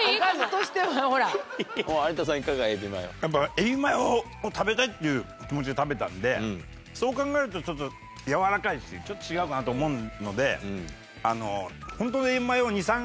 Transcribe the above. エビマヨを食べたいっていう気持ちで食べたのでそう考えると軟らかいしちょっと違うかなと思うので。